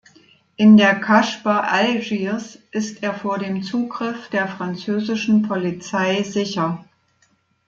In der Kasbah Algiers ist er vor dem Zugriff der französischen Polizei sicher.